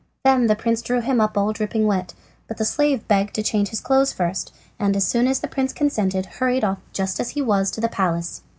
Then the prince drew him up all dripping wet, but the slave begged leave to change his clothes first, and as soon as the prince consented hurried off just as he was to the palace.